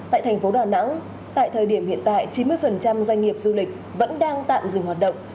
tại thành phố đà nẵng tại thời điểm hiện tại chín mươi doanh nghiệp du lịch vẫn đang tạm dừng hoạt động